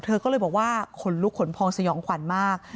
เธอก็เลยบอกว่าขนลุกขนพองสยองขวัญมาก